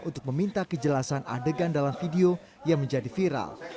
untuk meminta kejelasan adegan dalam video yang menjadi viral